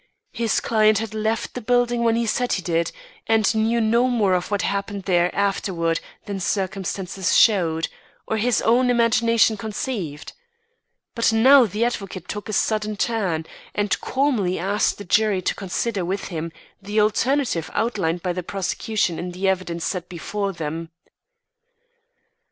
His client had left the building when he said he did, and knew no more of what happened there afterward than circumstances showed, or his own imagination conceived. But now the advocate took a sudden turn, and calmly asked the jury to consider with him the alternative outlined by the prosecution in the evidence set before them.